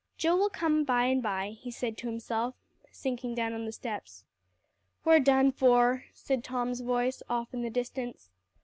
"Joe will come by and by," he said to himself, sinking down on the steps. "We're done for," said Tom's voice off in the distance.